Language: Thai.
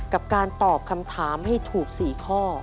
กับการตอบคำถามให้ถูก๔ข้อ